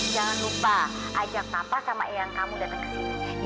jangan lupa ajak papa sama yang kamu datang ke sini